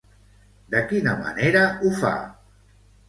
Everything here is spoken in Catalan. De quina manera ho fa?